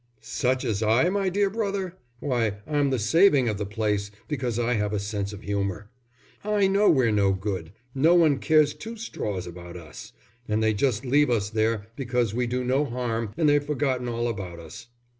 "Such as I, my dear brother? Why, I'm the saving of the place, because I have a sense of humour. I know we're no good. No one cares two straws about us. And they just leave us there because we do no harm and they've forgotten all about us."